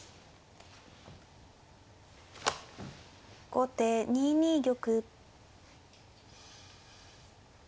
後手２二玉。